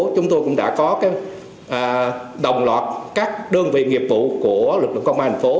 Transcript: chúng tôi cũng đã có đồng loạt các đơn vị nghiệp vụ của lực lượng công an thành phố